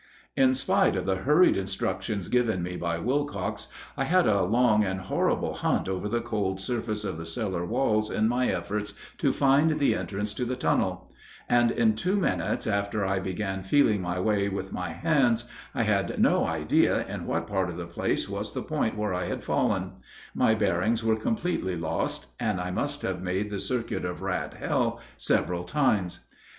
In spite of the hurried instructions given me by Wilcox, I had a long and horrible hunt over the cold surface of the cellar walls in my efforts to find the entrance to the tunnel; and in two minutes after I began feeling my way with my hands I had no idea in what part of the place was the point where I had fallen: my bearings were completely lost, and I must have made the circuit of Rat Hell several times.